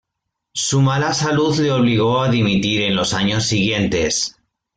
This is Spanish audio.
Su mala salud le obligó a dimitir en los años siguientes.